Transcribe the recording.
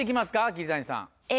桐谷さん。